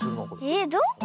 えっどこ？